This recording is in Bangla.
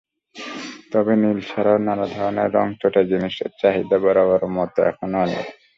তবে নীল ছাড়াও নানা ধরনের রংচটা জিনসের চাহিদা বরাবরের মতো এখনো।